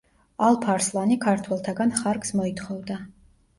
ალფ-არსლანი ქართველთაგან ხარკს მოითხოვდა.